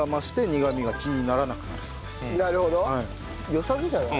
よさげじゃない？